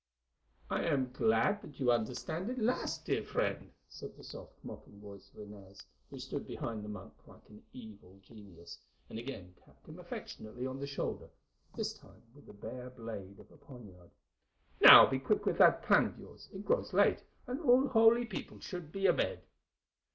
"I am glad that you understand at last, dear friend," said the soft, mocking voice of Inez, who stood behind the monk like an evil genius, and again tapped him affectionately on the shoulder, this time with the bare blade of a poniard. "Now be quick with that plan of yours. It grows late, and all holy people should be abed."